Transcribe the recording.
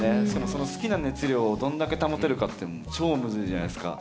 その好きな熱量をどんだけ保てるかって超むずいじゃないですか。